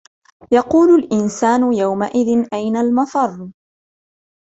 يَقُولُ الْإِنْسَانُ يَوْمَئِذٍ أَيْنَ الْمَفَرُّ